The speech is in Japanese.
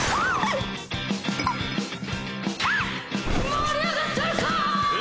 盛り上がってるかい？